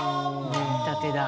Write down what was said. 見立てだ。